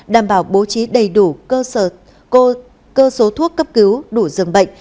đảm bảo bố trí đầy đủ cơ sở thuốc cấp cứu đủ dường bệnh